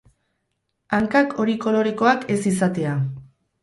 Hankak hori kolorekoak ez izatea.